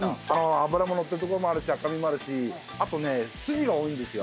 脂も乗ってるところもあるし赤身もあるしあとね筋が多いんですよ。